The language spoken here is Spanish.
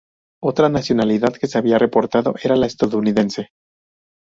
Otra nacionalidad que se había reportado era la estadounidense.